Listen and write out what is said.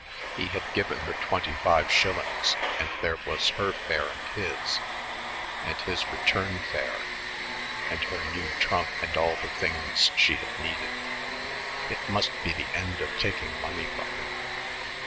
He had given her twenty five shillings and there was her fare and his, and his return fare and her new trunk and all the things she had needed. It must be the end of taking money from him.